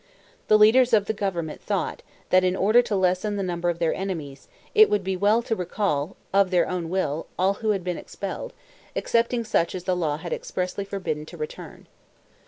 The leaders of the government thought, that in order to lessen the number of their enemies, it would be well to recall, of their own will, all who had been expelled, excepting such as the law had expressly forbidden to return.